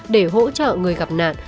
để hỗ trợ người gặp nạn